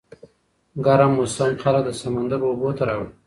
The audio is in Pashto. ګرم موسم خلک د سمندر اوبو ته راوړي.